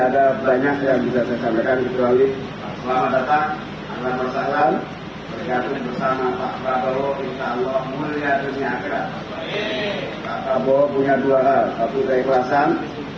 tentang jumlah rokaat dalam melaksanakan tarwek